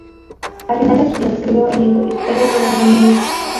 Al final de sus días escribió el libro "Historia de Valvanera".